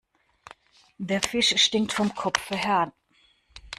Der Fisch stinkt vom Kopfe her.